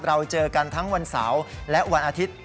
เราเจอกันทั้งวันเสาร์และวันอาทิตย์